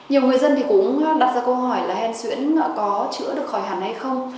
nhiều người dân thì cũng đặt ra câu hỏi là hèn xuyễn có chữa được khỏi hẳn hay không